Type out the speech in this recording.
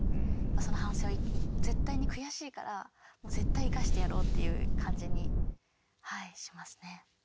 その反省を絶対に悔しいから絶対生かしてやろうっていう感じにしますね。